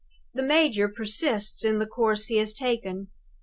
The major persists in the course he has taken.